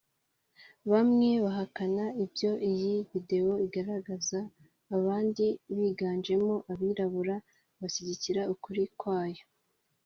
bamwe bahakana ibyo iyi videwo igaragaza abandi biganjemo abirabura bashyigikira ukuri kwayo